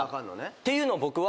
ていうのを僕は。